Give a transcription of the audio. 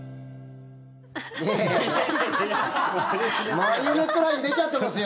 マリオネットライン出ちゃってますよ！